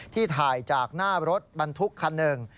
ถ่ายจากหน้ารถบรรทุกคันหนึ่ง